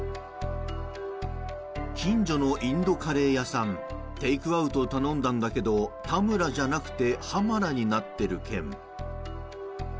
近所のインドカレー屋さんテイクアウト頼んだんだけどたむらじゃなくてＨＡＭＡＲＡになってる件。